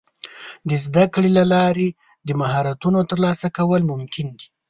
د زده کړې له لارې د مهارتونو ترلاسه کول ممکن دي.